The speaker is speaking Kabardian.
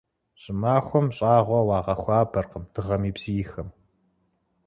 ЩӀымахуэм щӀагъуэ уагъэхуабэркъым дыгъэм и бзийхэм.